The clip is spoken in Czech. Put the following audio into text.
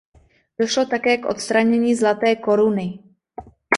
Došlo také k odstranění zlaté koruny.